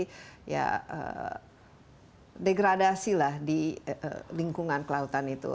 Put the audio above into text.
jadi ya degradasi lah di lingkungan kelautan itu